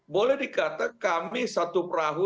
boleh dikata kami satu perahu